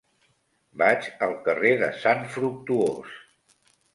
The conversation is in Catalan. Vaig al carrer de Sant Fructuós.